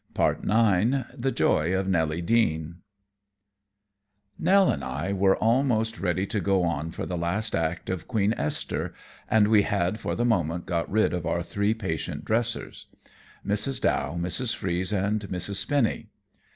Harper's, April 1909 The Joy of Nelly Deane Nell and I were almost ready to go on for the last act of "Queen Esther," and we had for the moment got rid of our three patient dressers, Mrs. Dow, Mrs. Freeze, and Mrs. Spinny.